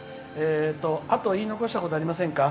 あと言い残したことはありませんか？